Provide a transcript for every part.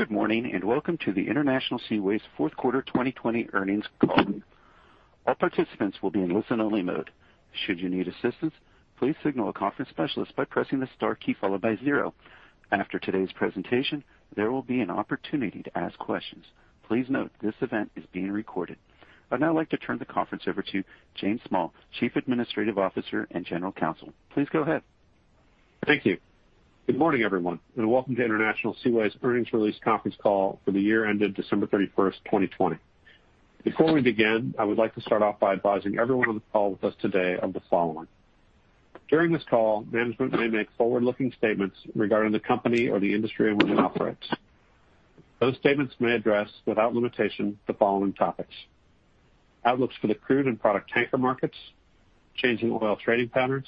Good morning, and welcome to the International Seaways Fourth Quarter 2020 Earnings Call. I'd now like to turn the conference over to James Small, Chief Administrative Officer and General Counsel. Please go ahead. Thank you. Good morning, everyone, and welcome to International Seaways' earnings release conference call for the year ended December 31st, 2020. Before we begin, I would like to start off by advising everyone on the call with us today of the following. During this call, management may make forward-looking statements regarding the company or the industry in which it operates. Those statements may address, without limitation, the following topics: outlooks for the crude and product tanker markets, changes in oil trading patterns,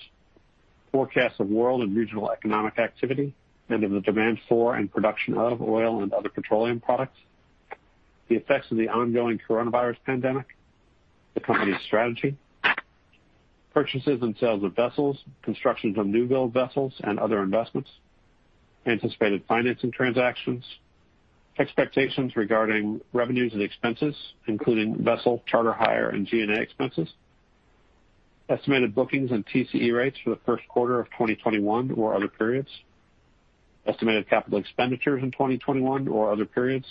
forecasts of world and regional economic activity, and of the demand for and production of oil and other petroleum products, the effects of the ongoing coronavirus pandemic, the company's strategy, purchases and sales of vessels, constructions of newbuild vessels and other investments, anticipated financing transactions, expectations regarding revenues and expenses, including vessel charter hire and G&A expenses, estimated bookings and TCE rates for the first quarter of 2021 or other periods, estimated capital expenditures in 2021 or other periods,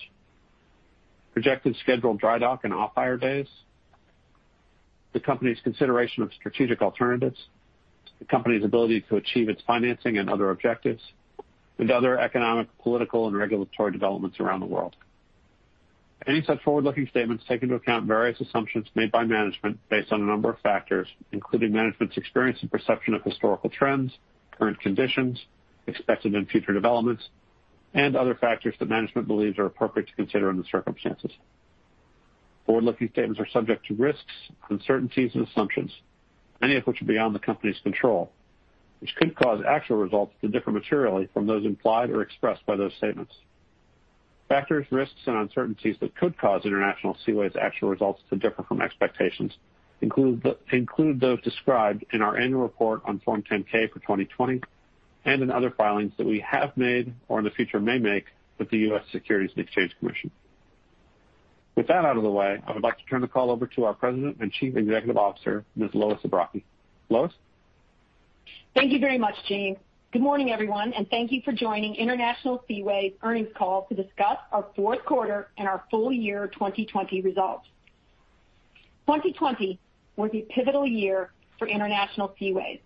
projected scheduled dry dock and off-hire days, the company's consideration of strategic alternatives, the company's ability to achieve its financing and other objectives, and other economic, political, and regulatory developments around the world. Any such forward-looking statements take into account various assumptions made by management based on a number of factors, including management's experience and perception of historical trends, current conditions, expected and future developments, and other factors that management believes are appropriate to consider under the circumstances. Forward-looking statements are subject to risks, uncertainties, and assumptions, many of which are beyond the company's control, which could cause actual results to differ materially from those implied or expressed by those statements. Factors, risks, and uncertainties that could cause International Seaways' actual results to differ from expectations include those described in our annual report on Form 10-K for 2020 and in other filings that we have made or in the future may make with the U.S. Securities and Exchange Commission. With that out of the way, I would like to turn the call over to our President and Chief Executive Officer, Ms. Lois Zabrocky. Lois? Thank you very much, James. Good morning, everyone, and thank you for joining International Seaways' earnings call to discuss our fourth quarter and our full year 2020 results. 2020 was a pivotal year for International Seaways.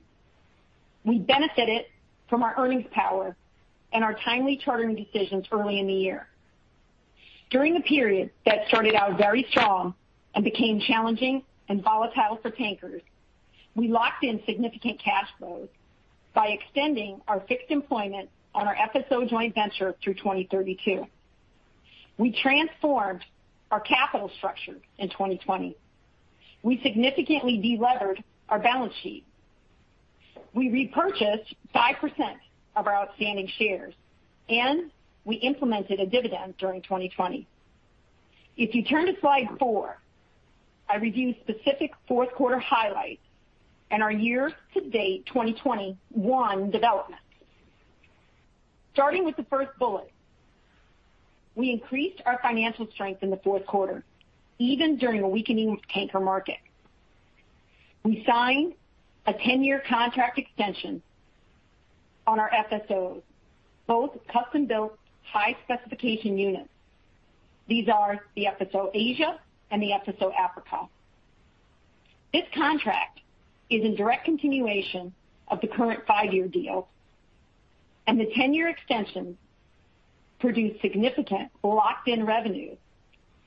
We benefited from our earnings power and our timely chartering decisions early in the year. During the period that started out very strong and became challenging and volatile for tankers, we locked in significant cash flows by extending our fixed employment on our FSO joint venture through 2032. We transformed our capital structure in 2020. We significantly de-levered our balance sheet. We repurchased 5% of our outstanding shares, and we implemented a dividend during 2020. If you turn to slide four, I review specific fourth-quarter highlights and our year-to-date 2021 developments. Starting with the first bullet, we increased our financial strength in the fourth quarter, even during a weakening tanker market. We signed a 10-year contract extension on our FSOs, both custom-built, high-specification units. These are the FSO Asia and the FSO Africa. This contract is a direct continuation of the current five-year deal, and the 10-year extension produced significant locked-in revenue,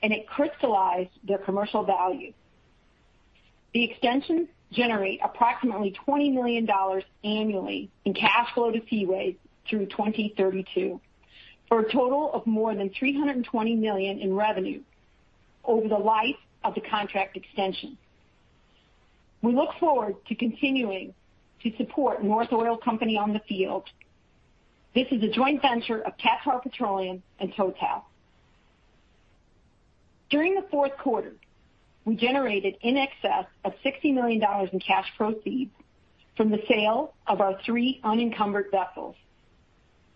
and it crystallized their commercial value. The extensions generate approximately $20 million annually in cash flow to Seaways through 2032, for a total of more than $320 million in revenue over the life of the contract extension. We look forward to continuing to support North Oil Company on the field. This is a joint venture of Qatar Petroleum and Total. During the fourth quarter, we generated in excess of $60 million in cash proceeds from the sale of our three unencumbered vessels,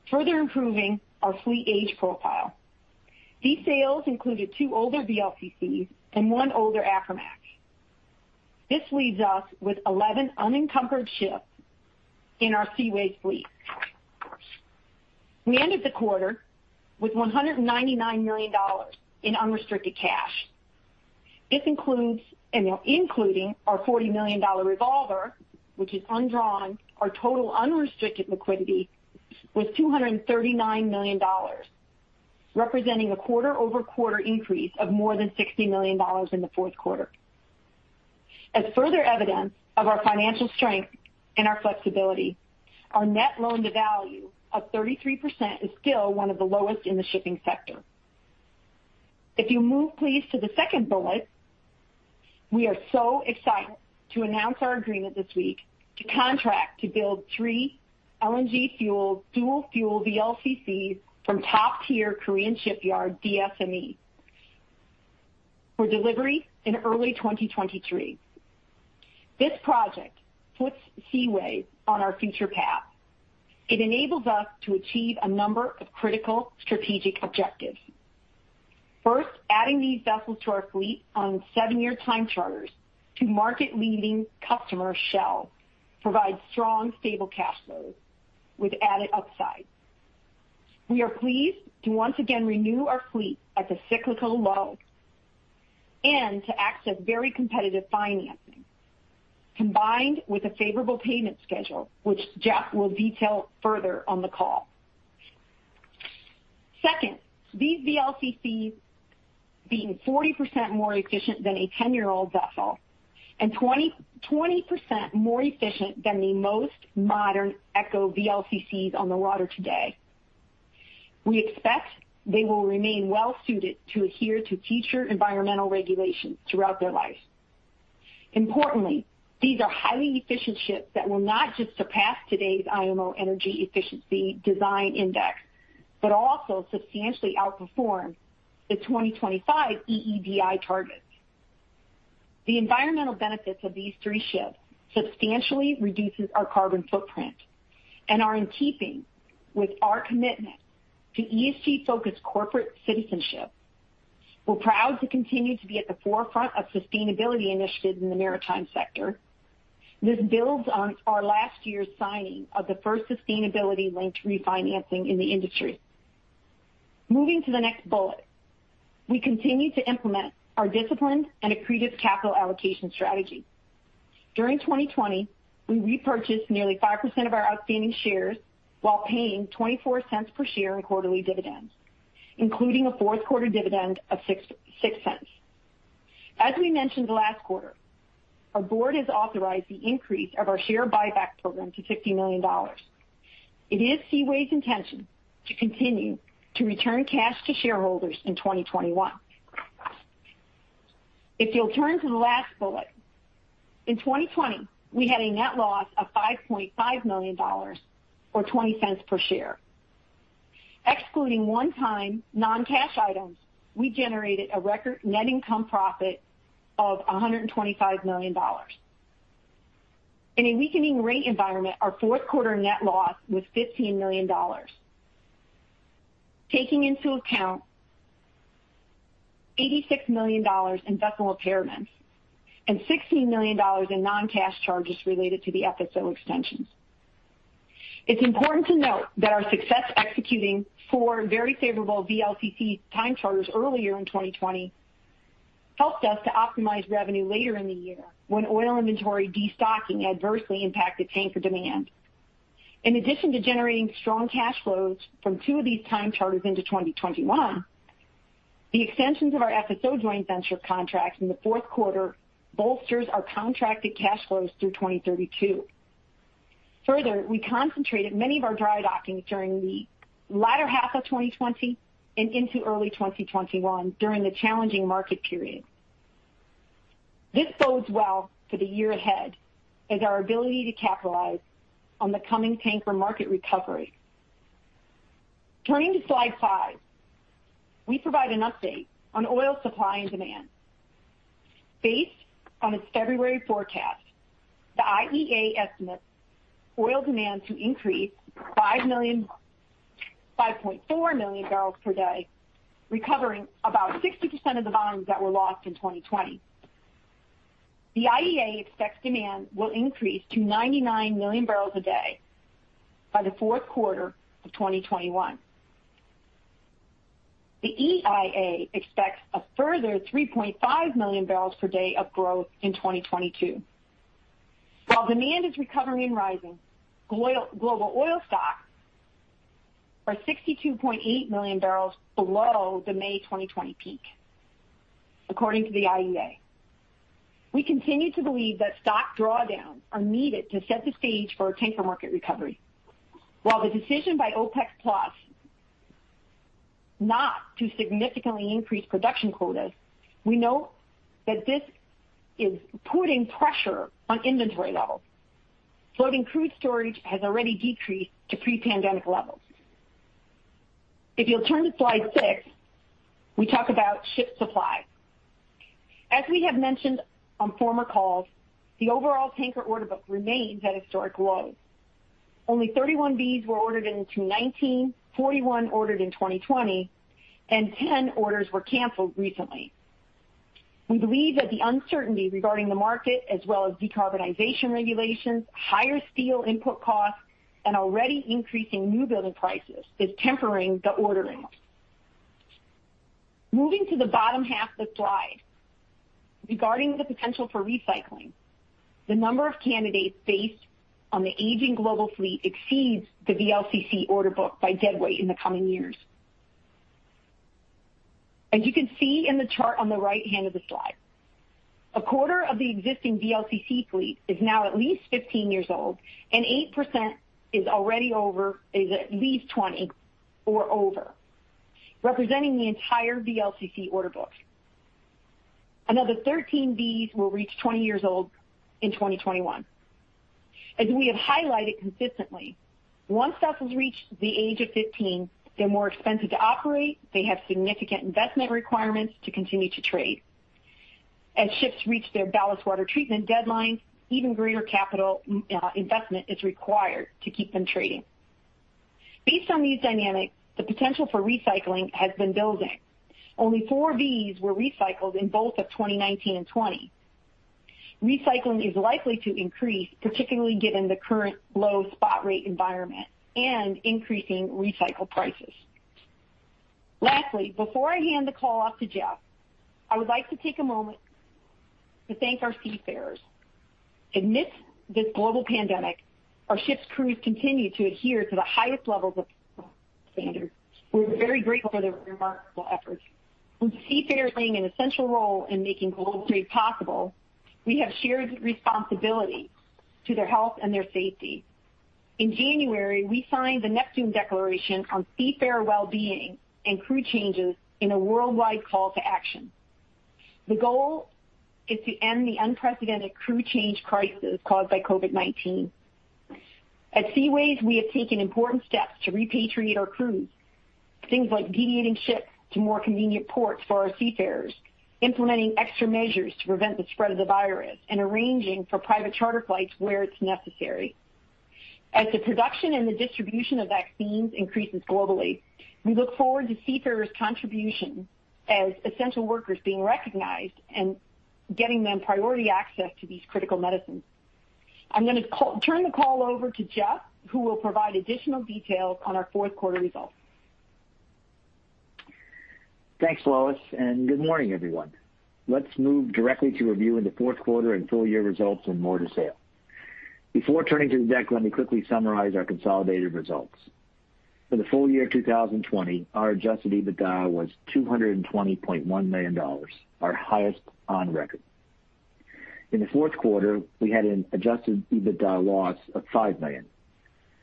further improving our fleet age profile. These sales included two older VLCCs and one older Aframax. This leaves us with 11 unencumbered ships in our Seaways fleet. We ended the quarter with $199 million in unrestricted cash. This including our $40 million revolver, which is undrawn. Our total unrestricted liquidity was $239 million, representing a quarter-over-quarter increase of more than $60 million in the fourth quarter. As further evidence of our financial strength and our flexibility, our net loan to value of 33% is still one of the lowest in the shipping sector. If you move, please, to the second bullet, we are so excited to announce our agreement this week to contract to build three LNG dual fuel VLCCs from top-tier Korean shipyard DSME for delivery in early 2023. This project puts Seaways on our future path. It enables us to achieve a number of critical strategic objectives. First, adding these vessels to our fleet on seven-year time charters to market-leading customer Shell provides strong, stable cash flows with added upside. We are pleased to once again renew our fleet at the cyclical low and to access very competitive financing, combined with a favorable payment schedule, which Jeff will detail further on the call. Second, these VLCCs being 40% more efficient than a 10-year-old vessel and 20% more efficient than the most modern ECO VLCCs on the water today. We expect they will remain well-suited to adhere to future environmental regulations throughout their life. Importantly, these are highly efficient ships that will not just surpass today's IMO Energy Efficiency Design Index, but also substantially outperform the 2025 EEDI targets. The environmental benefits of these three ships substantially reduces our carbon footprint and are in keeping with our commitment to ESG-focused corporate citizenship. We're proud to continue to be at the forefront of sustainability initiatives in the maritime sector. This builds on our last year's signing of the first sustainability-linked refinancing in the industry. Moving to the next bullet. We continue to implement our disciplined and accretive capital allocation strategy. During 2020, we repurchased nearly 5% of our outstanding shares while paying $0.24 per share in quarterly dividends, including a fourth quarter dividend of $0.06. As we mentioned last quarter, our board has authorized the increase of our share buyback program to $60 million. It is Seaways' intention to continue to return cash to shareholders in 2021. If you'll turn to the last bullet. In 2020, we had a net loss of $5.5 million, or $0.20 per share. Excluding one-time non-cash items, we generated a record net income profit of $125 million. In a weakening rate environment, our fourth quarter net loss was $15 million. Taking into account $86 million in vessel repairments and $16 million in non-cash charges related to the FSO extensions. It's important to note that our success executing four very favorable VLCC time charters earlier in 2020 helped us to optimize revenue later in the year when oil inventory destocking adversely impacted tanker demand. In addition to generating strong cash flows from two of these time charters into 2021, the extensions of our FSO joint venture contracts in the fourth quarter bolsters our contracted cash flows through 2032. Further, we concentrated many of our dry dockings during the latter half of 2020 and into early 2021 during the challenging market period. This bodes well for the year ahead as our ability to capitalize on the coming tanker market recovery. Turning to slide five. We provide an update on oil supply and demand. Based on its February forecast, the IEA estimates oil demand to increase 5.4 million bpd, recovering about 60% of the volumes that were lost in 2020. The IEA expects demand will increase to 99 million bpd by the fourth quarter of 2021. The EIA expects a further 3.5 million bpd of growth in 2022. While demand is recovering and rising, global oil stocks are 62.8 million bbl below the May 2020 peak, according to the IEA. We continue to believe that stock drawdowns are needed to set the stage for a tanker market recovery. While the decision by OPEC+ not to significantly increase production quotas, we know that this is putting pressure on inventory levels. Floating crude storage has already decreased to pre-pandemic levels. If you'll turn to slide six, we talk about ship supply. As we have mentioned on former calls, the overall tanker order book remains at historic lows. Only 31 Vs were ordered into 2019, 41 ordered in 2020, and 10 orders were canceled recently. We believe that the uncertainty regarding the market as well as decarbonization regulations, higher steel input costs, and already increasing new building prices is tempering the ordering. Moving to the bottom half of the slide. Regarding the potential for recycling, the number of candidates based on the aging global fleet exceeds the VLCC order book by deadweight in the coming years. As you can see in the chart on the right hand of the slide, a quarter of the existing VLCC fleet is now at least 15 years old, and 8% is at least 20 or over, representing the entire VLCC order book. Another 13Vs will reach 20 years old in 2021. As we have highlighted consistently, once vessels reach the age of 15, they're more expensive to operate, they have significant investment requirements to continue to trade. As ships reach their ballast water treatment deadlines, even greater capital investment is required to keep them trading. Based on these dynamics, the potential for recycling has been building. Only four of these were recycled in both of 2019 and 2020. Recycling is likely to increase, particularly given the current low spot rate environment and increasing recycle prices. Lastly, before I hand the call off to Jeff, I would like to take a moment to thank our seafarers. Amidst this global pandemic, our ships' crews continue to adhere to the highest levels of standards. We're very grateful for their remarkable efforts. With seafarers playing an essential role in making global trade possible, we have shared responsibility to their health and their safety. In January, we signed the Neptune Declaration on Seafarer Wellbeing and Crew Change in a worldwide call to action. The goal is to end the unprecedented crew change crisis caused by COVID-19. At Seaways, we have taken important steps to repatriate our crews. Things like deviating ships to more convenient ports for our seafarers, implementing extra measures to prevent the spread of the virus, and arranging for private charter flights where it's necessary. As the production and the distribution of vaccines increases globally, we look forward to seafarers' contribution as essential workers being recognized and getting them priority access to these critical medicines. I'm going to turn the call over to Jeff, who will provide additional details on our fourth quarter results. Thanks, Lois. Good morning, everyone. Let's move directly to reviewing the fourth quarter and full-year results in more detail. Before turning to the deck, let me quickly summarize our consolidated results. For the full year 2020, our adjusted EBITDA was $220.1 million, our highest on record. In the fourth quarter, we had an adjusted EBITDA loss of $5 million.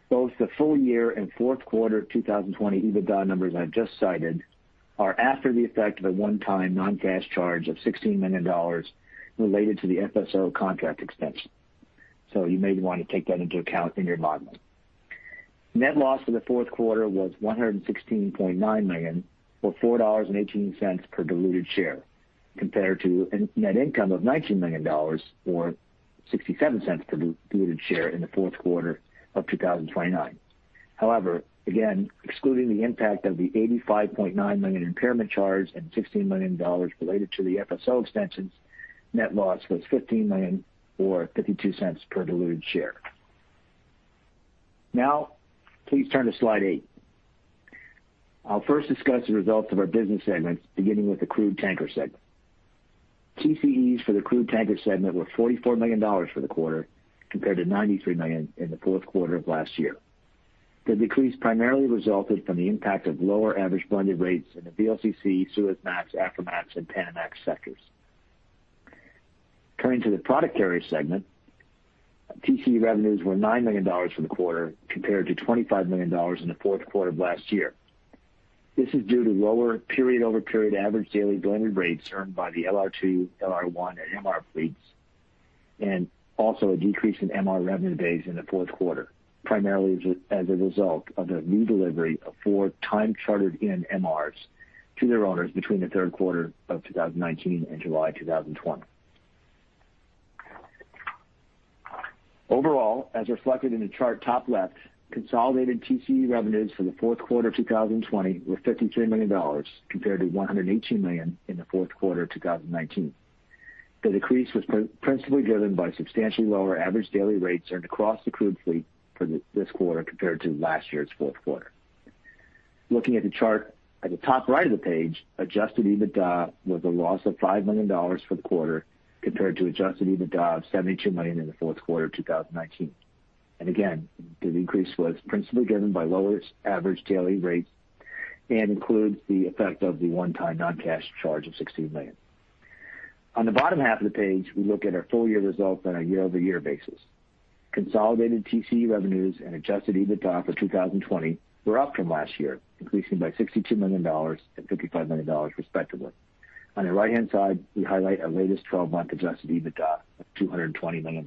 Both the full year and fourth quarter 2020 EBITDA numbers I've just cited are after the effect of a one-time non-cash charge of $16 million related to the FSO contract extension. You may want to take that into account in your modeling. Net loss for the fourth quarter was $116.9 million or $4.18 per diluted share, compared to a net income of $19 million or $0.67 per diluted share in the fourth quarter of 2019. However, again, excluding the impact of the $85.9 million impairment charge and $16 million related to the FSO extensions, net loss was $15 million or $0.52 per diluted share. Please turn to slide eight. I'll first discuss the results of our business segments, beginning with the Crude Tanker segment. TCEs for the Crude Tanker segment were $44 million for the quarter, compared to $93 million in the fourth quarter of last year. The decrease primarily resulted from the impact of lower average blended rates in the VLCC, Suezmax, Aframax, and Panamax sectors. Turning to the product carrier segment, TCE revenues were $9 million for the quarter, compared to $25 million in the fourth quarter of last year. This is due to lower period-over-period average daily blended rates earned by the LR2, LR1, and MR fleets, and also a decrease in MR revenue days in the fourth quarter, primarily as a result of the new delivery of four time-chartered-in MRs to their owners between the third quarter of 2019 and July 2020. Overall, as reflected in the chart top left, consolidated TCE revenues for the fourth quarter 2020 were $53 million, compared to $118 million in the fourth quarter of 2019. The decrease was principally driven by substantially lower average daily rates earned across the crude fleet for this quarter compared to last year's fourth quarter. Looking at the chart at the top right of the page, adjusted EBITDA was a loss of $5 million for the quarter, compared to adjusted EBITDA of $72 million in the fourth quarter of 2019. Again, the decrease was principally driven by lower average daily rates and includes the effect of the one-time non-cash charge of $16 million. On the bottom half of the page, we look at our full-year results on a year-over-year basis. Consolidated TCE revenues and adjusted EBITDA for 2020 were up from last year, increasing by $62 million and $55 million respectively. On the right-hand side, we highlight our latest 12-month adjusted EBITDA of $220 million.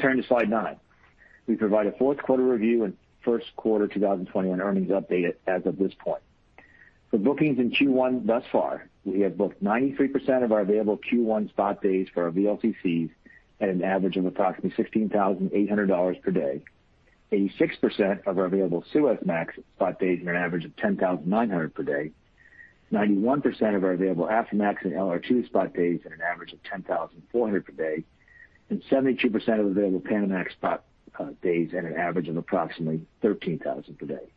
Turning to slide nine. We provide a fourth quarter review and first quarter 2021 earnings update as of this point. For bookings in Q1 thus far, we have booked 93% of our available Q1 spot days for our VLCCs at an average of approximately $16,800 per day, 86% of our available Suezmax spot days at an average of $10,900 per day, 91% of our available Aframax and LR2 spot days at an average of $10,400 per day, and 72% of available Panamax spot days at an average of approximately $13,000 per day.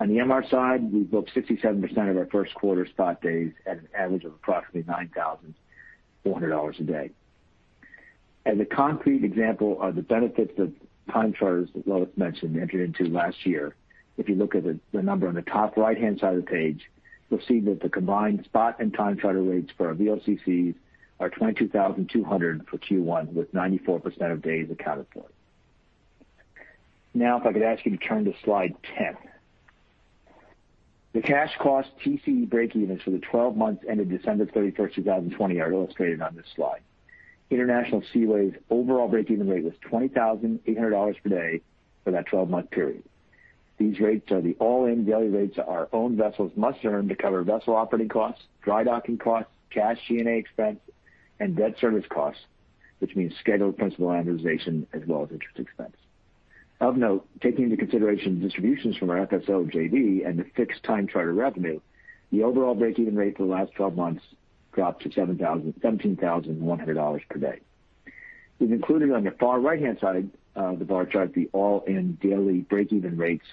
On the MR side, we booked 67% of our first quarter spot days at an average of approximately $9,400 a day. As a concrete example of the benefits of time charters that Lois mentioned, entered into last year, if you look at the number on the top right-hand side of the page, you'll see that the combined spot and time charter rates for our VLCCs are $22,200 for Q1, with 94% of days accounted for. Now, if I could ask you to turn to slide 10. The cash cost TCE breakevens for the 12 months ended December 31st, 2020, are illustrated on this slide. International Seaways' overall breakeven rate was $20,800 per day for that 12-month period. These rates are the all-in daily rates our own vessels must earn to cover vessel operating costs, dry docking costs, cash G&A expense, and debt service costs, which means scheduled principal amortization as well as interest expense. Of note, taking into consideration distributions from our FSO JV and the fixed time charter revenue, the overall breakeven rate for the last 12 months dropped to $17,100 per day. We've included on the far right-hand side of the bar chart the all-in daily breakeven rates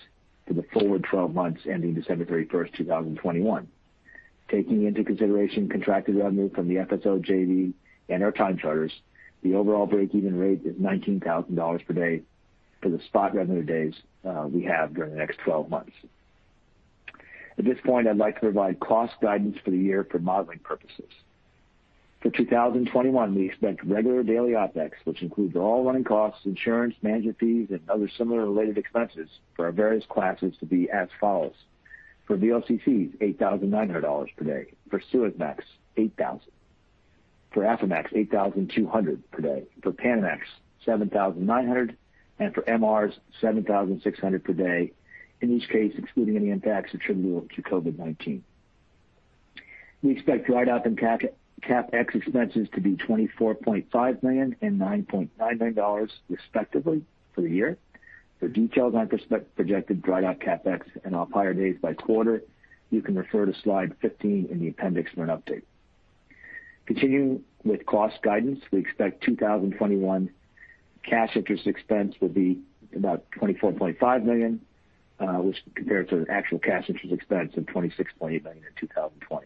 for the forward 12 months ending December 31st, 2021. Taking into consideration contracted revenue from the FSO JV and our time charters, the overall breakeven rate is $19,000 per day for the spot revenue days we have during the next 12 months. At this point, I'd like to provide cost guidance for the year for modeling purposes. For 2021, we expect regular daily OpEx, which includes all running costs, insurance, management fees, and other similar related expenses for our various classes to be as follows. For VLCCs, $8,900 per day. For Suezmax, $8,000. For Aframax, $8,200 per day. For Panamax, $7,900, and for MRs, $7,600 per day. In each case, excluding any impacts attributable to COVID-19. We expect drydock and CapEx expenses to be $24.5 million and $9.99 million respectively for the year. For details on projected drydock CapEx and off-hire days by quarter, you can refer to slide 15 in the appendix for an update. Continuing with cost guidance, we expect 2021 cash interest expense will be about $24.5 million, which compared to the actual cash interest expense of $26.8 million in 2020.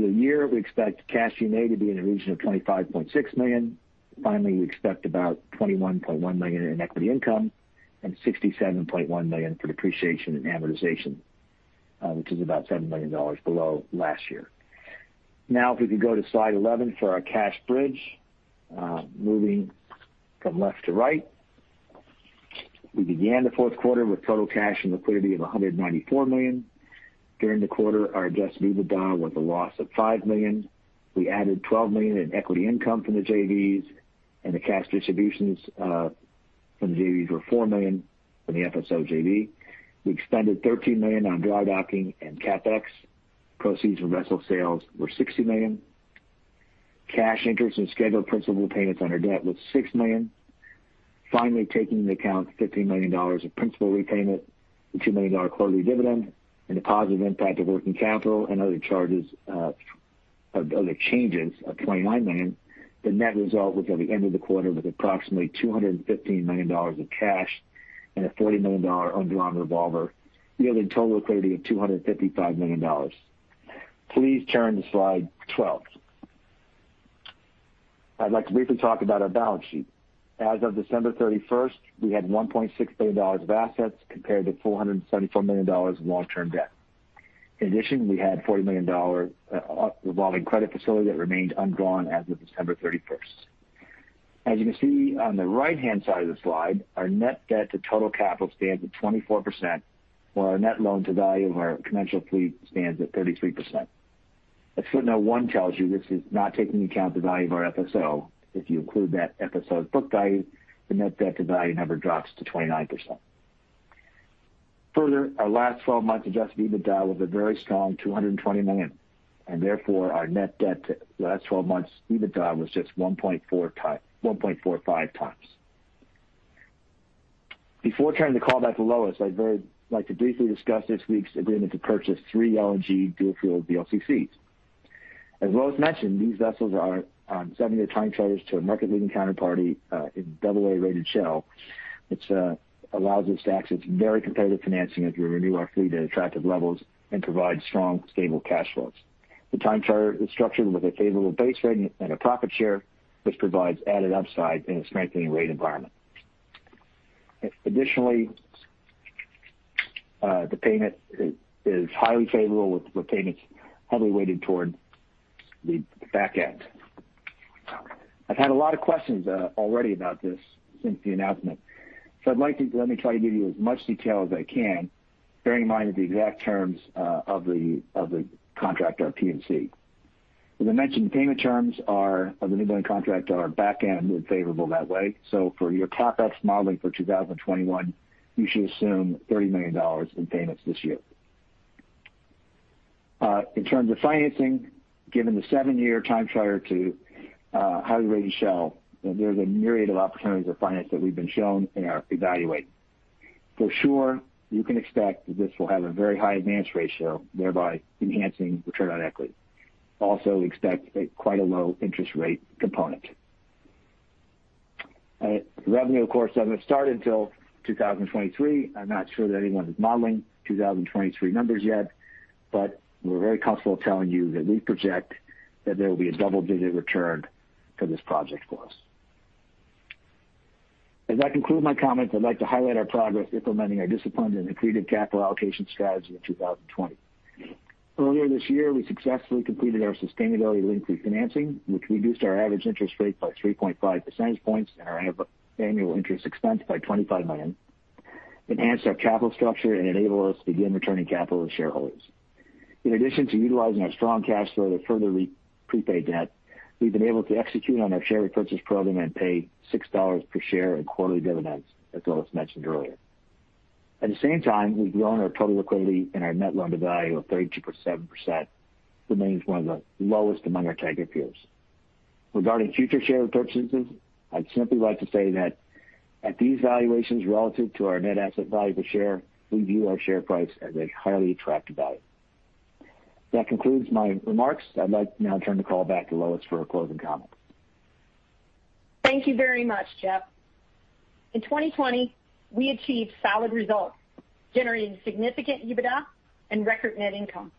For the year, we expect cash G&A to be in the region of $25.6 million. Finally, we expect about $21.1 million in equity income and $67.1 million for depreciation and amortization, which is about $7 million below last year. Now, if we could go to slide 11 for our cash bridge. Moving from left to right. We began the fourth quarter with total cash and liquidity of $194 million. During the quarter, our adjusted EBITDA was a loss of $5 million. We added $12 million in equity income from the JVs, and the cash distributions from the JVs were $4 million from the FSO JV. We expended $13 million on dry docking and CapEx. Proceeds from vessel sales were $60 million. Cash interest and scheduled principal payments on our debt was $6 million. Finally, taking into account $15 million of principal repayment, the $2 million quarterly dividend, and the positive impact of working capital and other charges of other changes of $29 million, the net result was at the end of the quarter was approximately $215 million of cash and a $40 million undrawn revolver, yielding total liquidity of $255 million. Please turn to slide 12. I'd like to briefly talk about our balance sheet. As of December 31st, we had $1.6 billion of assets compared to $474 million of long-term debt. In addition, we had a $40 million revolving credit facility that remained undrawn as of December 31st. As you can see on the right-hand side of the slide, our net debt to total capital stands at 24%, while our net loan to value of our conventional fleet stands at 33%. As footnote one tells you, this is not taking into account the value of our FSO. If you include that FSO's book value, the net debt to value number drops to 29%. Further, our last 12 months adjusted EBITDA was a very strong $220 million, and therefore, our net debt to the last 12 months EBITDA was just 1.45x. Before turning the call back to Lois, I'd very like to briefly discuss this week's agreement to purchase three LNG dual-fuel VLCCs. As Lois mentioned, these vessels are on seven-year time charters to a market-leading counterparty in AA-rated Shell, which allows us to access very competitive financing as we renew our fleet at attractive levels and provide strong, stable cash flows. The time charter is structured with a favorable base rate and a profit share, which provides added upside in a strengthening rate environment. Additionally, the payment is highly favorable, with payments heavily weighted toward the back end. I've had a lot of questions already about this since the announcement. Let me try to give you as much detail as I can, bearing in mind that the exact terms of the contract are T&C. As I mentioned, payment terms of the new building contract are back-end and favorable that way. For your CapEx modeling for 2021, you should assume $30 million in payments this year. In terms of financing, given the seven-year time charter to a highly rated Shell, there's a myriad of opportunities of finance that we've been shown and are evaluating. For sure, you can expect that this will have a very high advance ratio, thereby enhancing return on equity. Also, we expect quite a low-interest-rate component. Revenue, of course, doesn't start until 2023. I'm not sure that anyone is modeling 2023 numbers yet, but we're very comfortable telling you that we project that there will be a double-digit return for this project for us. As I conclude my comments, I'd like to highlight our progress implementing our disciplined and accretive capital allocation strategy in 2020. Earlier this year, we successfully completed our sustainability-linked refinancing, which reduced our average interest rate by 3.5 percentage points and our annual interest expense by $25 million, enhanced our capital structure, and enabled us to begin returning capital to shareholders. In addition to utilizing our strong cash flow to further prepaid debt, we've been able to execute on our share repurchase program and pay $0.06 per share in quarterly dividends, as Lois mentioned earlier. At the same time, we've grown our total liquidity and our net loan to value of 32.7%, remains one of the lowest among our tanker peers. Regarding future share repurchases, I'd simply like to say that at these valuations relative to our net asset value per share, we view our share price as a highly attractive value. That concludes my remarks. I'd like to now turn the call back to Lois for a closing comment. Thank you very much, Jeff. In 2020, we achieved solid results, generating significant EBITDA and record net income.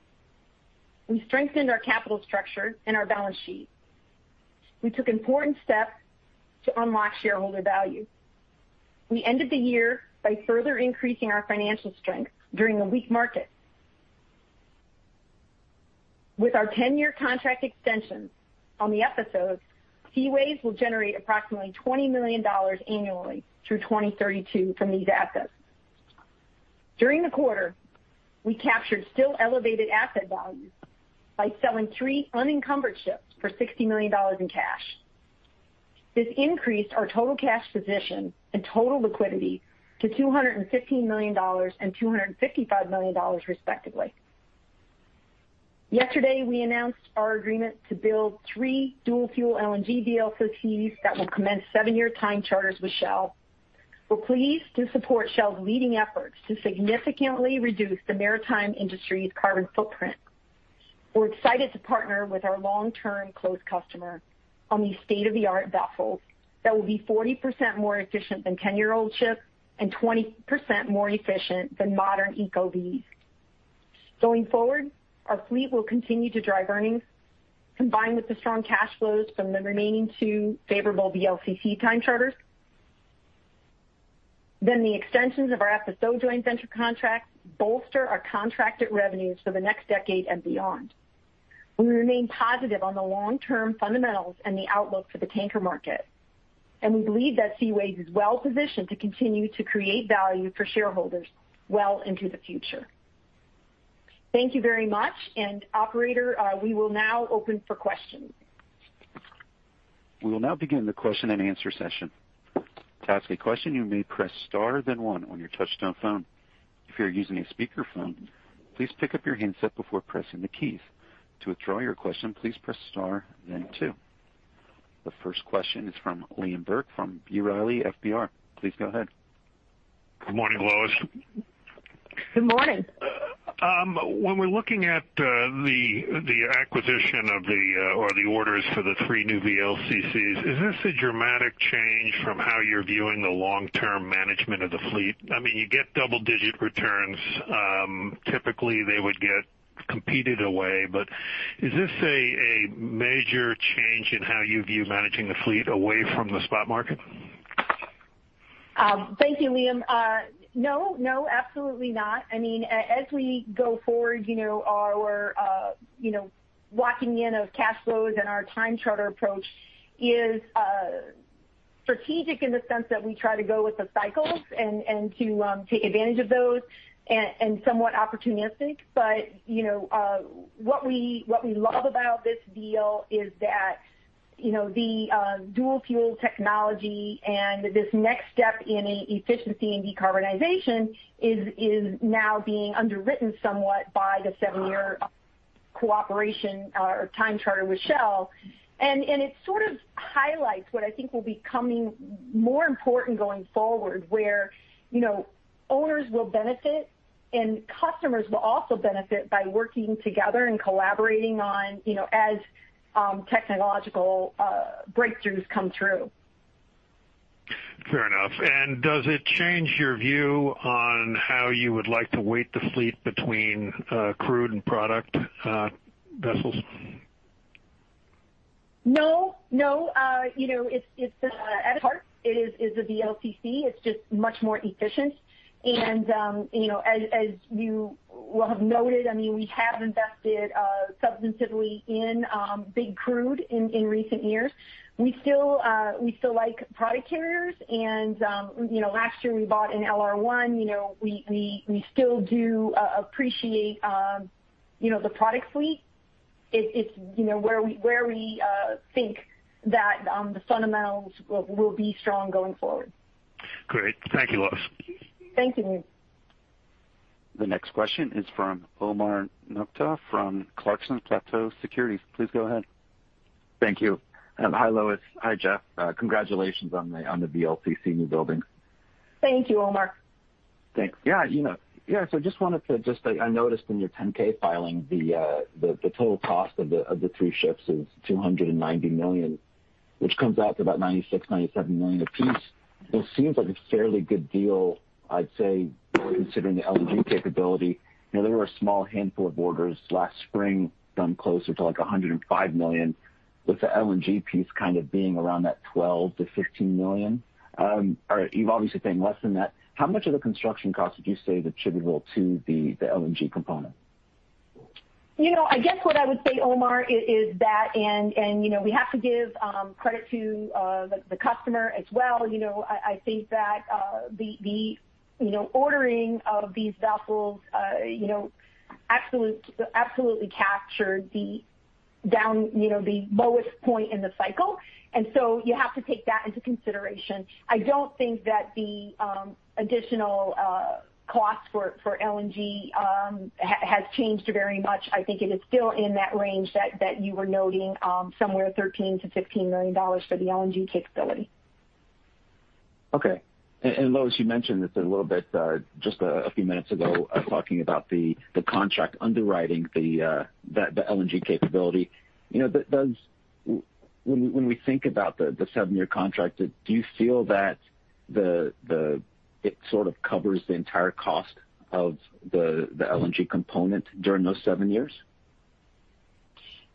We strengthened our capital structure and our balance sheet. We took important steps to unlock shareholder value. We ended the year by further increasing our financial strength during a weak market. With our 10-year contract extensions on the FSOs, Seaways will generate approximately $20 million annually through 2032 from these assets. During the quarter, we captured still elevated asset values by selling three unencumbered ships for $60 million in cash. This increased our total cash position and total liquidity to $215 million and $255 million, respectively. Yesterday, we announced our agreement to build three dual fuel LNG VLCCs that will commence seven-year time charters with Shell. We're pleased to support Shell's leading efforts to significantly reduce the maritime industry's carbon footprint. We're excited to partner with our long-term close customer on these state-of-the-art vessels that will be 40% more efficient than 10-year-old ships and 20% more efficient than modern ECO VLCCs. Going forward, our fleet will continue to drive earnings, combined with the strong cash flows from the remaining two favorable VLCC time charters. The extensions of our FSO joint venture contract bolster our contracted revenues for the next decade and beyond. We remain positive on the long-term fundamentals and the outlook for the tanker market, and we believe that Seaways is well-positioned to continue to create value for shareholders well into the future. Thank you very much. Operator, we will now open for questions. We will now begin the question-and-answer session. To ask a question, you may press star then one on your touch-tone telephone. If you are using a speakerphone, please pick up your handset before pressing the keys. To withdraw your question, please press star then two. The first question is from Liam Burke from B. Riley FBR. Please go ahead. Good morning, Lois. Good morning. When we're looking at the acquisition of the, or the orders for the three new VLCCs, is this a dramatic change from how you're viewing the long-term management of the fleet? You get double-digit returns. Typically, they would get competed away, but is this a major change in how you view managing the fleet away from the spot market? Thank you, Liam. No, absolutely not. As we go forward, our locking in of cash flows and our time charter approach is strategic in the sense that we try to go with the cycles and to take advantage of those and somewhat opportunistic. What we love about this deal is that the dual-fuel technology and this next step in efficiency and decarbonization is now being underwritten somewhat by the seven-year cooperation or time charter with Shell. It sort of highlights what I think will be coming more important going forward, where owners will benefit, and customers will also benefit by working together and collaborating on as technological breakthroughs come true. Fair enough. Does it change your view on how you would like to weight the fleet between crude and product vessels? No. At heart, it is a VLCC. It's just much more efficient. As you will have noted, we have invested substantively in big crude in recent years. We still like product carriers, and last year we bought an LR1. We still do appreciate the product fleet. It's where we think that the fundamentals will be strong going forward. Great. Thank you, Lois. Thank you, Liam. The next question is from Omar Nokta from Clarksons Platou Securities. Please go ahead. Thank you. Hi, Lois. Hi, Jeff. Congratulations on the VLCC new buildings. Thank you, Omar. Thanks. Yeah. I wanted to say, I noticed in your 10-K filing, the total cost of the three ships is $290 million, which comes out to about $96 million, $97 million a piece, which seems like a fairly good deal, I'd say, considering the LNG capability. There were a small handful of orders last spring done closer to, like, $105 million, with the LNG piece kind of being around that $12 million-$15 million. You're obviously paying less than that. How much of the construction cost would you say is attributable to the LNG component? I guess what I would say, Omar, is that we have to give credit to the customer as well. I think that the ordering of these vessels absolutely captured the lowest point in the cycle. You have to take that into consideration. I don't think that the additional cost for LNG has changed very much. I think it is still in that range that you were noting, somewhere $13 million-$15 million for the LNG capability. Okay. Lois, you mentioned this a little bit just a few minutes ago, talking about the contract underwriting the LNG capability. When we think about the seven-year contract, do you feel that it sort of covers the entire cost of the LNG component during those seven years?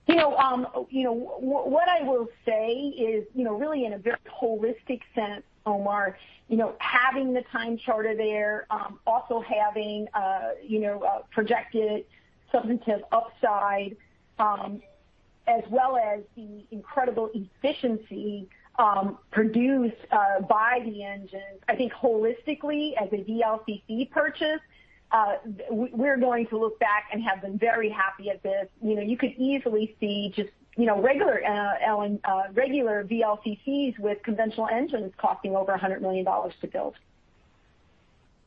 What I will say is, really in a very holistic sense, Omar, having the time charter there, also having a projected substantive upside as well as the incredible efficiency produced by the engine, I think holistically as a VLCC purchase, we're going to look back and have been very happy at this. You could easily see just regular VLCCs with conventional engines costing over $100 million to build.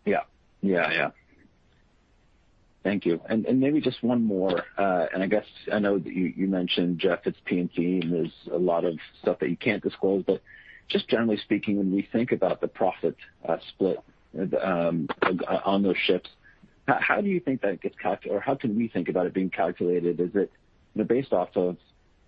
Yeah. Thank you. Maybe just one more. I know that you mentioned Jeff, it's T&C, there's a lot of stuff that you can't disclose. Just generally speaking, when we think about the profit split on those ships, how do you think that gets calculated or how can we think about it being calculated? Is it based off of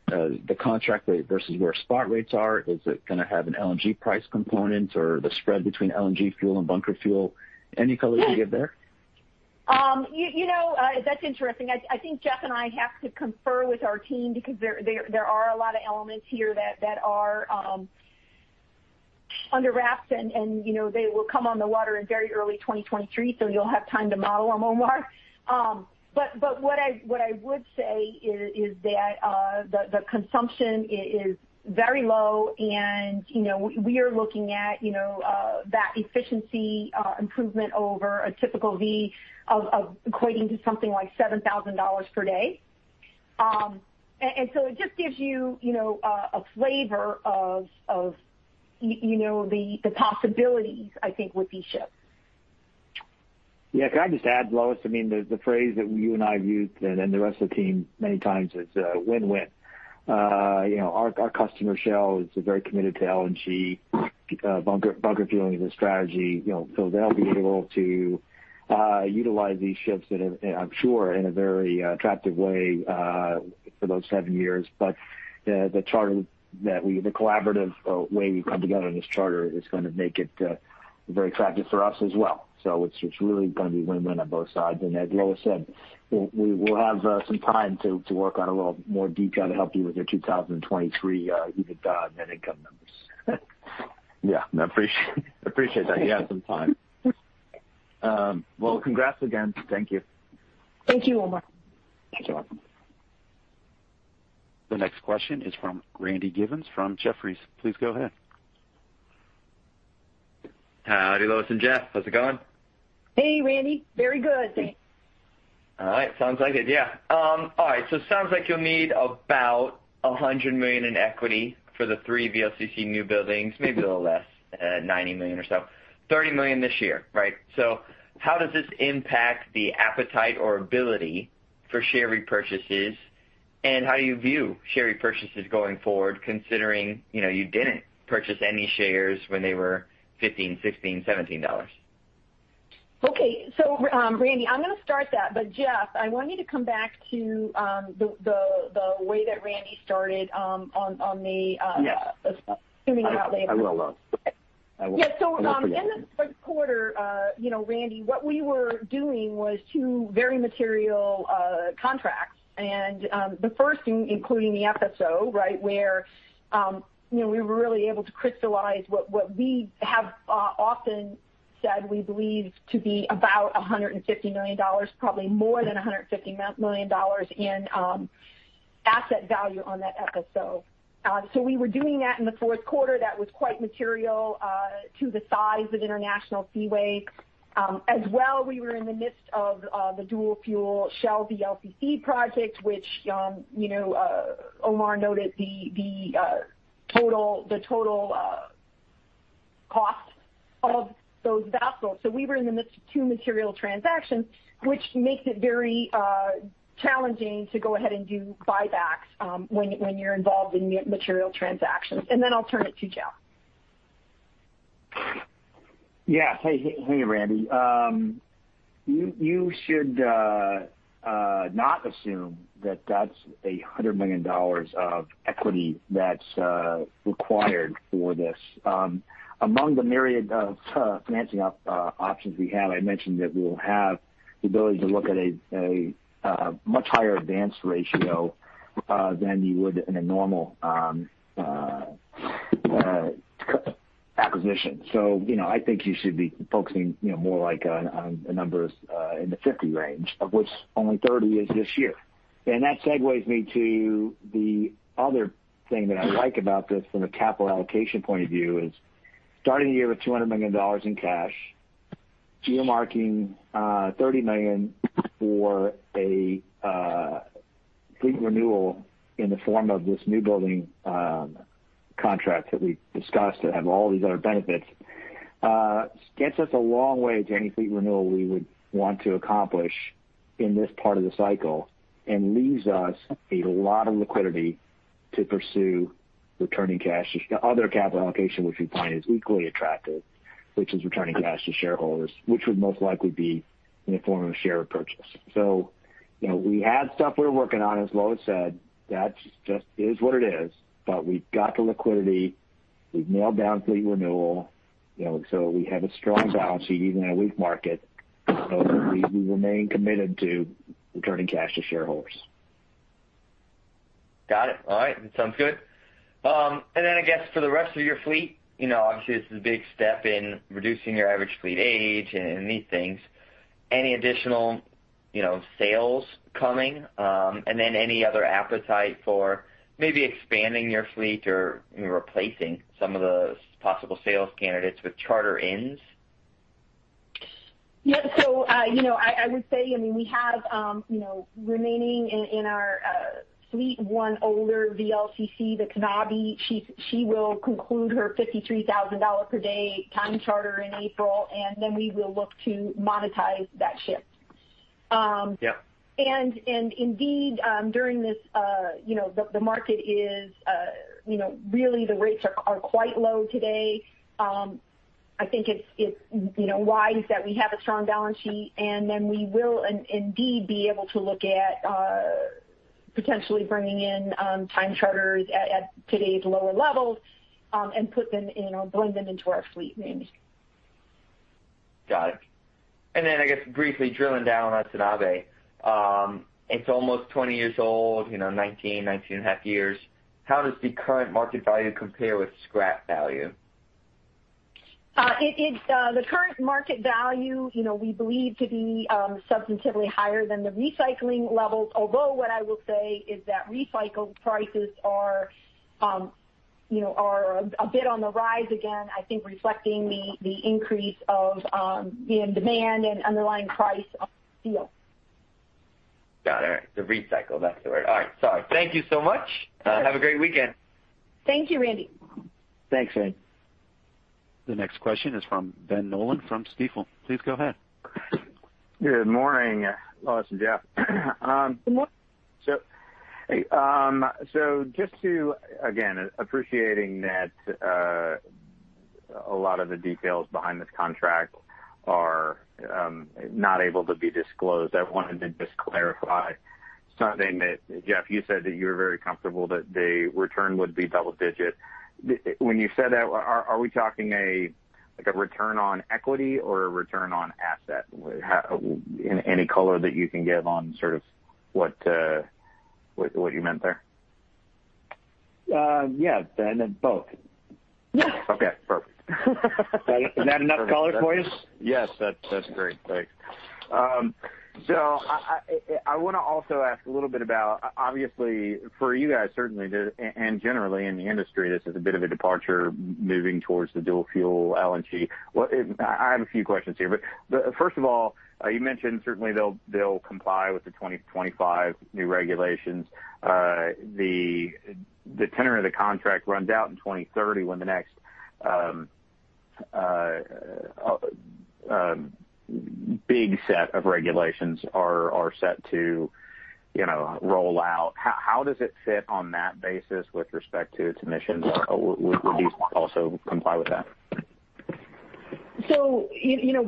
the contract rate versus where spot rates are? Is it going to have an LNG price component or the spread between LNG fuel and bunker fuel? Any color you can give there? Yeah. That's interesting. I think Jeff and I have to confer with our team because there are a lot of elements here that are under wraps, and they will come on the water in very early 2023, so you'll have time to model them, Omar. But what I would say is that the consumption is very low, and we are looking at that efficiency improvement over a typical V equating to something like $7,000 per day. It just gives you a flavor of the possibilities, I think, with these ships. Yeah. Can I just add, Lois? The phrase that you and I have used, and the rest of the team many times is a win-win. Our customer, Shell, is very committed to LNG. Bunker fuel is a strategy. They'll be able to utilize these ships, and I'm sure in a very attractive way for those seven years. The collaborative way we've come together on this charter is going to make it very attractive for us as well. It's really going to be win-win on both sides. As Lois said, we'll have some time to work on a little more detail to help you with your 2023 net income numbers. Yeah. I appreciate that. You have some time. Well, congrats again. Thank you. Thank you, Omar. You're welcome. The next question is from Randy Giveans from Jefferies. Please go ahead. Howdy, Lois and Jeff. How's it going? Hey, Randy. Very good. Thanks. All right. Sounds like it, yeah. All right. Sounds like you'll need about $100 million in equity for the three VLCC new buildings, maybe a little less, $90 million or so. $30 million this year, right? How does this impact the appetite or ability for share repurchases, and how do you view share repurchases going forward, considering you didn't purchase any shares when they were $15, $16, $17? Okay. Randy, I'm going to start that, but Jeff, I want you to come back to the way that Randy started. Yes assuming about labor. I will, Lois. I won't forget. In the fourth quarter, Randy, what we were doing was two very material contracts. The first, including the FSO where we were really able to crystallize what we have often said we believe to be about $150 million, probably more than $150 million in asset value on that FSO. We were doing that in the fourth quarter. That was quite material to the size of International Seaways. As well, we were in the midst of the dual fuel Shell VLCC project, which Omar noted the total cost of those vessels. We were in the midst of two material transactions, which makes it very challenging to go ahead and do buybacks when you're involved in material transactions. I'll turn it to Jeff. Yeah. Hey, Randy. You should not assume that that's $100 million of equity that's required for this. Among the myriad of financing options we have, I mentioned that we'll have the ability to look at a much higher advance ratio than you would in a normal acquisition. I think you should be focusing more on a number in the 50 range, of which only 30 is this year. That segues me to the other thing that I like about this from a capital allocation point of view is starting the year with $200 million in cash, earmarking $30 million for a fleet renewal in the form of this newbuilding contract that we've discussed, that have all these other benefits, gets us a long way to any fleet renewal we would want to accomplish in this part of the cycle and leaves us a lot of liquidity to pursue returning cash to other capital allocation, which we find is equally attractive, which is returning cash to shareholders, which would most likely be in the form of a share purchase. We have stuff we're working on, as Lois said. That just is what it is. We've got the liquidity. We've nailed down fleet renewal. We have a strong balance sheet even in a weak market. We remain committed to returning cash to shareholders. Got it. All right. That sounds good. I guess, for the rest of your fleet, obviously this is a big step in reducing your average fleet age and these things. Any additional sales coming? Any other appetite for maybe expanding your fleet or replacing some of those possible sales candidates with charter-ins? Yeah. I would say, we have remaining in our fleet one older VLCC, the Tanabe. She will conclude her $53,000 per day time charter in April. We will look to monetize that ship. Yeah. During this, the rates are quite low today. I think it's wise that we have a strong balance sheet, we will indeed be able to look at potentially bringing in time charters at today's lower levels, put them in or blend them into our fleet maybe. Got it. I guess, briefly drilling down on Seaways Tanabe. It's almost 20 years old, 19 and a half years. How does the current market value compare with scrap value? The current market value we believe to be substantively higher than the recycling levels although what I will say is that recycle prices are a bit on the rise again, I think reflecting the increase of demand and underlying price of steel. Got it. The recycle, that's the word. All right. Sorry. Thank you so much. Have a great weekend. Thank you, Randy. Thanks, Randy. The next question is from Ben Nolan from Stifel. Please go ahead. Good morning, Lois and Jeff. Good morning. Just to, again, appreciating that a lot of the details behind this contract are not able to be disclosed, I wanted to just clarify something that, Jeff, you said that you were very comfortable that the return would be double digit. When you said that, are we talking a return on equity or a return on asset? Any color that you can give on sort of what you meant there? Yeah, Ben. Both. Okay, perfect. Is that enough color for you? Yes, that's great. Thanks. I want to also ask a little bit about Obviously, for you guys, certainly, and generally in the industry, this is a bit of a departure moving towards the dual fuel LNG. I have a few questions here. First of all, you mentioned certainly they'll comply with the 2025 new regulations. The tenor of the contract runs out in 2030 when the next big set of regulations are set to roll out. How does it fit on that basis with respect to its emissions? Would these also comply with that?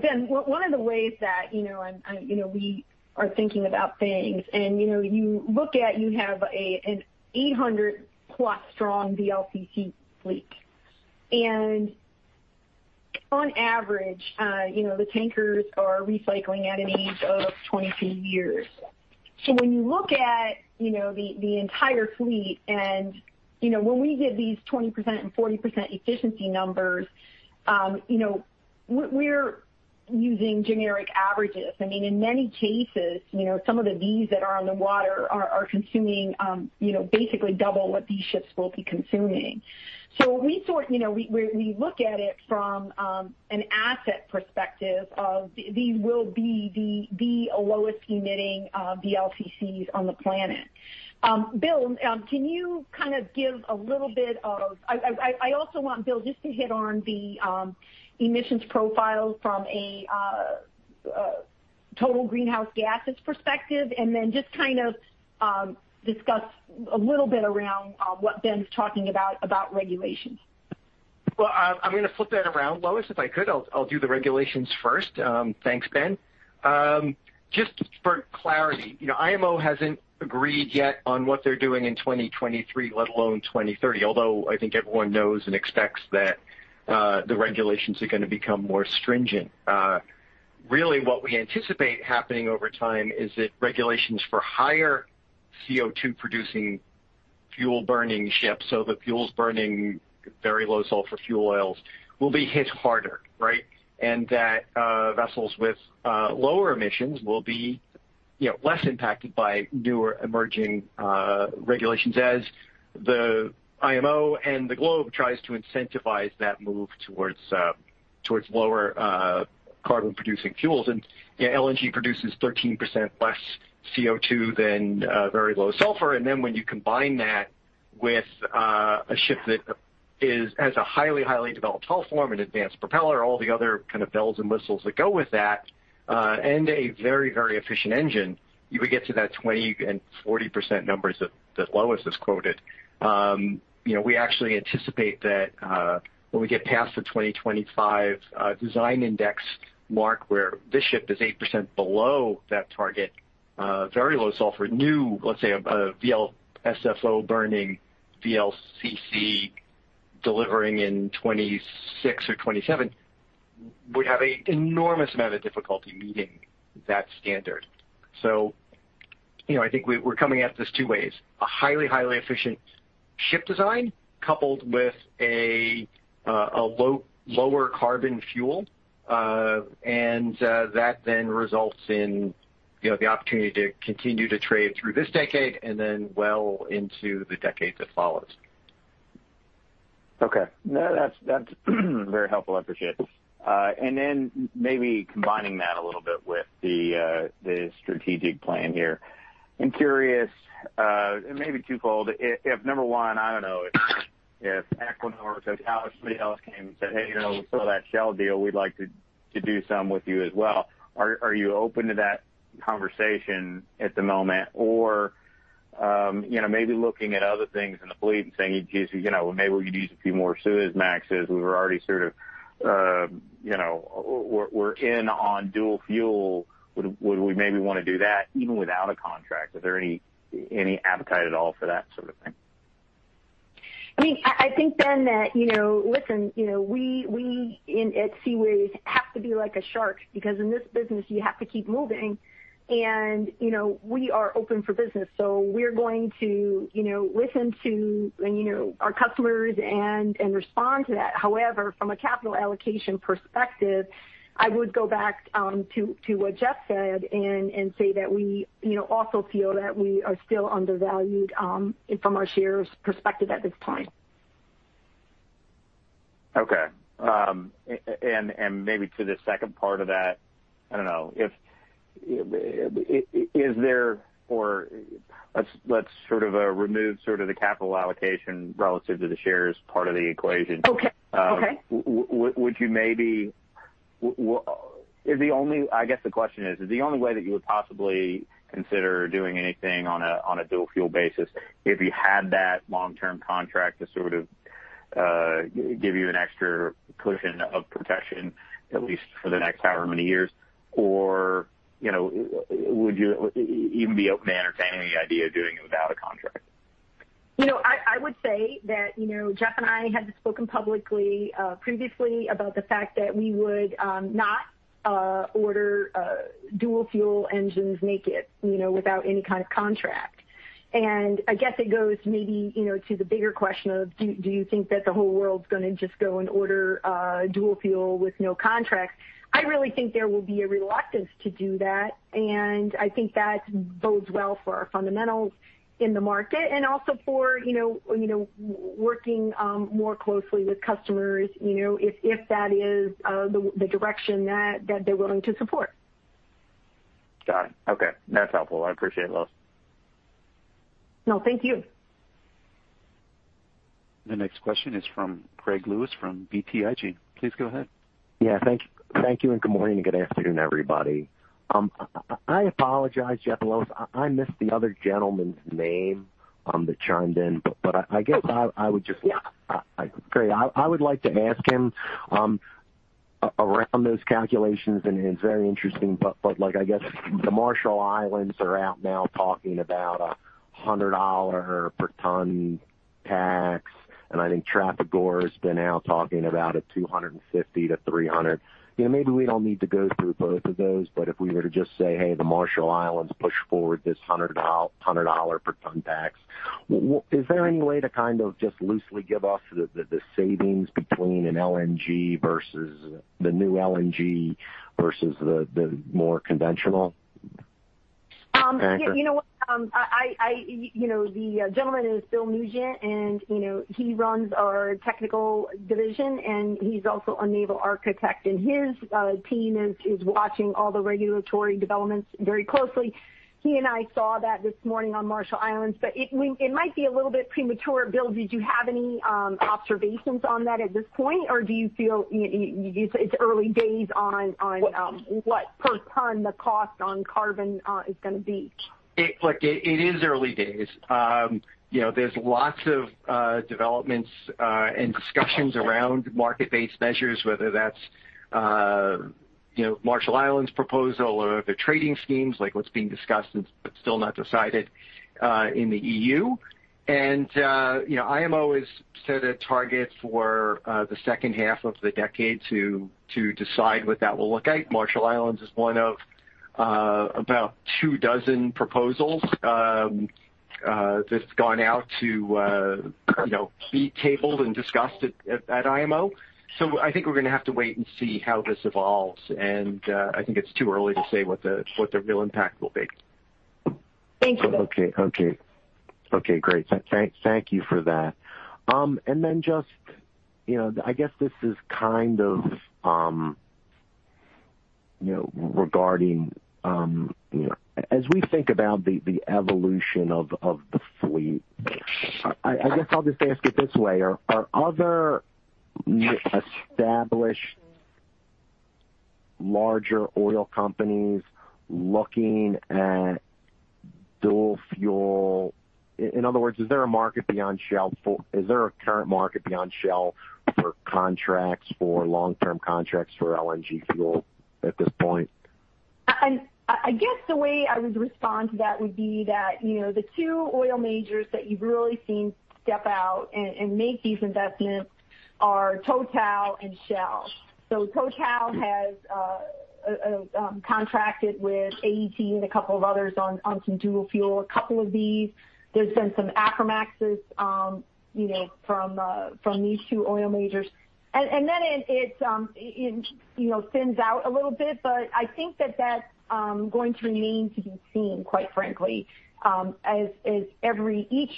Ben, one of the ways that we are thinking about things, and you look at you have an 800+ strong VLCC fleet. On average, the tankers are recycling at an age of 22 years. When you look at the entire fleet and when we give these 20% and 40% efficiency numbers, we're using generic averages. In many cases, some of the V's that are on the water are consuming basically double what these ships will be consuming. We look at it from an asset perspective of these will be the lowest emitting VLCCs on the planet. Bill, can you kind of give a little bit of I also want Bill just to hit on the emissions profile from a total greenhouse gases perspective, and then just kind of discuss a little bit around what Ben's talking about regulations. Well, I'm going to flip that around, Lois, if I could. I'll do the regulations first. Thanks, Ben. Just for clarity, IMO hasn't agreed yet on what they're doing in 2023, let alone 2030. I think everyone knows and expects that the regulations are going to become more stringent. Really what we anticipate happening over time is that regulations for higher CO2-producing fuel-burning ships, so the fuels burning very low sulfur fuel oils, will be hit harder, right? That vessels with lower emissions will be less impacted by newer emerging regulations as the IMO and the globe tries to incentivize that move towards lower carbon-producing fuels. LNG produces 13% less CO2 than very low sulfur. When you combine that with a ship that has a highly developed hull form, an advanced propeller, all the other kind of bells and whistles that go with that, and a very efficient engine, you would get to that 20% and 40% numbers that Lois has quoted. We actually anticipate that when we get past the 2025 design index mark, where this ship is 8% below that target, very low sulfur, new, let's say, a VLSFO-burning VLCC delivering in 2026 or 2027, would have an enormous amount of difficulty meeting that standard. I think we're coming at this two ways. A highly efficient ship design coupled with a lower carbon fuel, and that then results in the opportunity to continue to trade through this decade and then well into the decade that follows. Okay. No, that's very helpful. I appreciate it. Maybe combining that a little bit with the strategic plan here. I'm curious, it may be too bold, if number one, I don't know, if Equinor or Total or somebody else came and said, "Hey, we saw that Shell deal. We'd like to do some with you as well." Are you open to that conversation at the moment? Or maybe looking at other things in the fleet and saying, "Maybe we could use a few more Suezmaxes. We're in on dual-fuel. Would we maybe want to do that even without a contract?" Is there any appetite at all for that sort of thing? I think that, listen, we at Seaways have to be like a shark because in this business you have to keep moving, and we are open for business. We're going to listen to our customers and respond to that. However, from a capital allocation perspective, I would go back to what Jeff said and say that we also feel that we are still undervalued from our shares perspective at this time. Okay. Maybe to the second part of that, I don't know. Let's sort of remove the capital allocation relative to the shares part of the equation. Okay. I guess the question is the only way that you would possibly consider doing anything on a dual fuel basis if you had that long-term contract to sort of give you an extra cushion of protection, at least for the next however many years, or would you even be open to entertaining the idea of doing it without a contract? I would say that Jeff and I had spoken publicly previously about the fact that we would not order dual-fuel engines naked, without any kind of contract. I guess it goes maybe to the bigger question of, do you think that the whole world's going to just go and order dual-fuel with no contract? I really think there will be a reluctance to do that, and I think that bodes well for our fundamentals in the market and also for working more closely with customers, if that is the direction that they're willing to support. Got it. Okay. That's helpful. I appreciate it, Lois. No, thank you. The next question is from Greg Lewis from BTIG. Please go ahead. Yeah. Thank you, and good morning and good afternoon, everybody. I apologize, Jeff, Lois, I missed the other gentleman's name that chimed in. I guess I would just. Great. I would like to ask him around those calculations, and it's very interesting, but like I guess the Marshall Islands are out now talking about a $100 per ton tax, and I think Trafigura has been out talking about a $250-$300. Maybe we don't need to go through both of those, but if we were to just say, hey, the Marshall Islands pushed forward this $100 per ton tax, is there any way to kind of just loosely give us the savings between the new LNG versus the more conventional tanker? You know what? The gentleman is Bill Nugent, and he runs our technical division, and he's also a naval architect. His team is watching all the regulatory developments very closely. He and I saw that this morning on Marshall Islands. It might be a little bit premature. Bill, did you have any observations on that at this point? Or do you feel it's early days on what per ton the cost on carbon is going to be? Look, it is early days. There's lots of developments and discussions around market-based measures, whether that's Marshall Islands proposal or the trading schemes like what's being discussed but still not decided in the EU. IMO has set a target for the second half of the decade to decide what that will look like. Marshall Islands is one of about two dozen proposals that's gone out to be tabled and discussed at IMO. I think we're going to have to wait and see how this evolves, and I think it's too early to say what the real impact will be. Thank you. Okay. Great. Thank you for that. I guess this is kind of regarding, as we think about the evolution of the fleet, I guess I'll just ask it this way, are other established larger oil companies looking at dual fuel? In other words, is there a current market beyond Shell for contracts, for long-term contracts for LNG fuel at this point? I guess the way I would respond to that would be that, the two oil majors that you've really seen step out and make these investments are Total and Shell. Total has contracted with AET and a couple of others on some dual fuel. A couple of these, there's been some Aframaxes from these two oil majors. It thins out a little bit, but I think that's going to remain to be seen, quite frankly, as each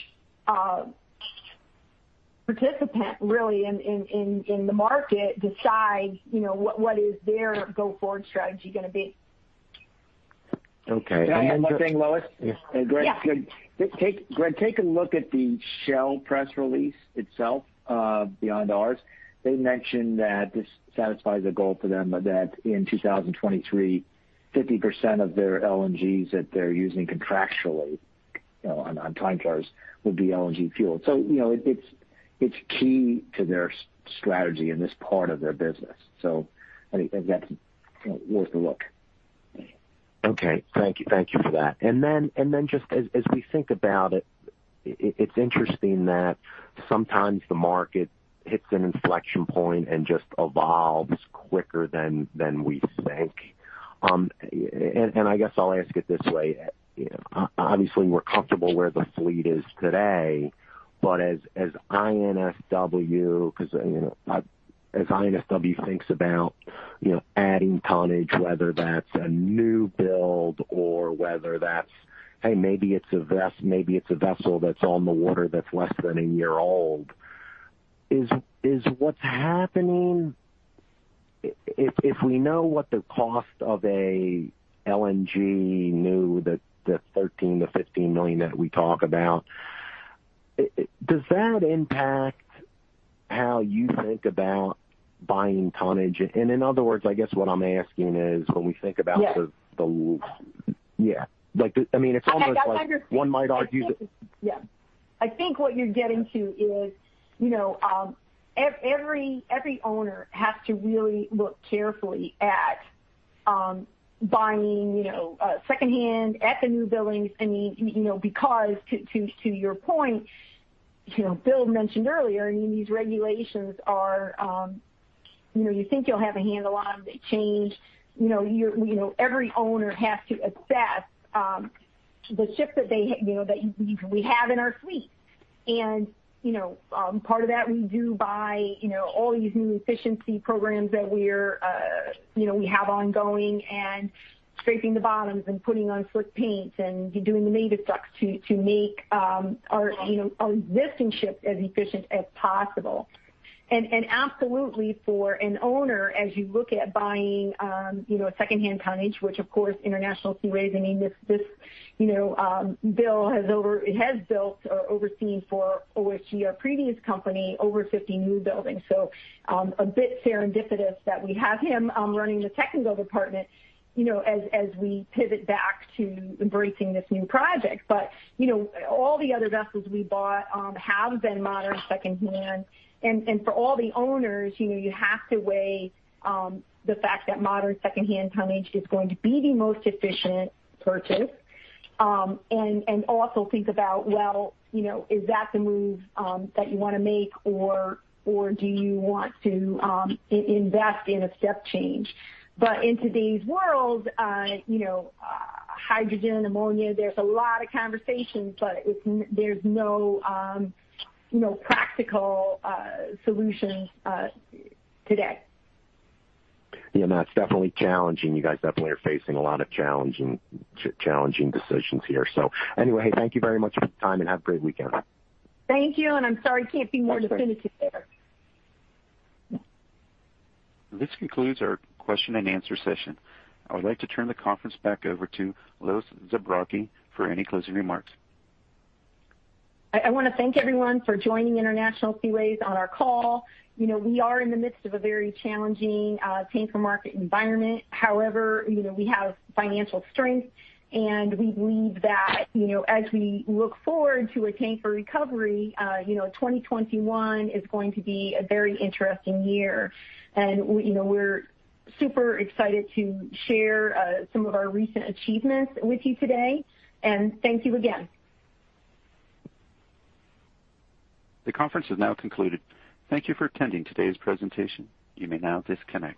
participant really in the market decides, what is their go-forward strategy going to be. Okay. May I add one thing, Lois? Yeah. Greg, take a look at the Shell press release itself, beyond ours. They mentioned that this satisfies a goal for them, but that in 2023, 50% of their LNGs that they're using contractually on time charters would be LNG fueled. It's key to their strategy in this part of their business. I think that's worth a look. Okay. Thank you for that. Just as we think about it's interesting that sometimes the market hits an inflection point and just evolves quicker than we think. I guess I'll ask it this way, obviously, we're comfortable where the fleet is today, but as INSW thinks about adding tonnage, whether that's a new build or whether that's, hey, maybe it's a vessel that's on the water that's less than a year old, is what's happening, if we know what the cost of a LNG new, the $13 million-$15 million that we talk about, does that impact how you think about buying tonnage? In other words, I guess what I'm asking is when we think about the. Yes. Yeah. It's almost like. I understand. One might argue that- Yeah. I think what you're getting to is, every owner has to really look carefully at buying secondhand at the new buildings because, to your point, Bill mentioned earlier, these regulations are, you think you'll have a handle on them, they change. Every owner has to assess the ships that we have in our fleet. Part of that we do by all these new efficiency programs that we have ongoing and scraping the bottoms and putting on slick paint and doing the mega strips to make our existing ships as efficient as possible. Absolutely for an owner, as you look at buying secondhand tonnage, which of course, International Seaways, I mean, Bill has built or overseen for OSG, our previous company, over 50 new buildings. A bit serendipitous that we have him running the technical department as we pivot back to embracing this new project. All the other vessels we bought have been modern secondhand. For all the owners, you have to weigh the fact that modern secondhand tonnage is going to be the most efficient purchase. Also think about, well, is that the move that you want to make or do you want to invest in a step change? Into these worlds, hydrogen, ammonia, there's a lot of conversations, but there's no practical solutions today. Yeah, that's definitely challenging. You guys definitely are facing a lot of challenging decisions here. Anyway, thank you very much for your time and have a great weekend. Thank you. I'm sorry I can't be more definitive there. This concludes our question and answer session. I would like to turn the conference back over to Lois Zabrocky for any closing remarks. I want to thank everyone for joining International Seaways on our call. We are in the midst of a very challenging tanker market environment. We have financial strength and we believe that as we look forward to a tanker recovery, 2021 is going to be a very interesting year. We're super excited to share some of our recent achievements with you today. Thank you again. The conference has now concluded. Thank you for attending today's presentation. You may now disconnect.